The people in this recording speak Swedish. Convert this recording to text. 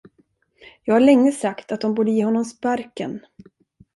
Jag har länge sagt att de borde ge honom sparken.